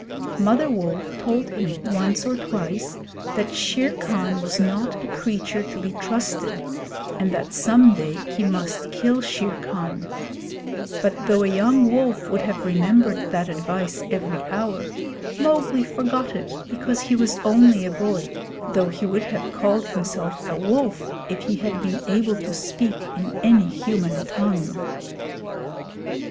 Mother Wolf told him once or twice that Shere Khan was not a creature to be trusted, and that some day he must kill Shere Khan; but though a young wolf would have remembered that advice every hour, Mowgli forgot it because he was only a boy though he would have called himself a wolf if he had been able to speak in any human tongue.